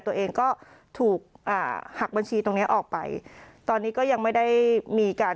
ตัวเองก็ถูกอ่าหักบัญชีตรงเนี้ยออกไปตอนนี้ก็ยังไม่ได้มีการ